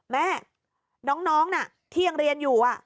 แม่น้องน่ะที่ยังเรียนอยู่